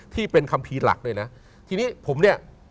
ที่เป็นคัมภีร์หลักเลยนะทีนี้ผมเนี่ย